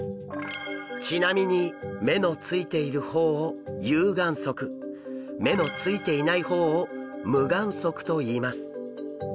ちなみに目のついている方を有眼側目のついていない方を無眼側といいます。